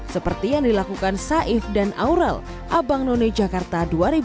seperti yang dilakukan saif dan aurel abang none jakarta dua ribu dua puluh